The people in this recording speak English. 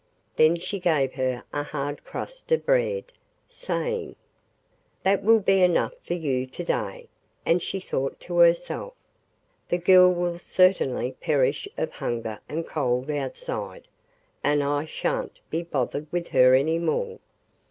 Then she gave her a hard crust of bread, saying: 'That will be enough for you to day,' and she thought to herself: 'The girl will certainly perish of hunger and cold outside, and I shan't be bothered with her any more.